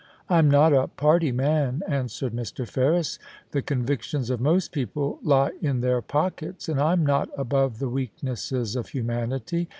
* I'm not a party man,' answered Mr. Ferris. * The con victions of most people lie in their pockets, and I'm not above the weaknesses of humanity.